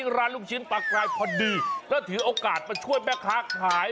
ร้านลูกชิ้นปลากรายพอดีแล้วถือโอกาสมาช่วยแม่ค้าขาย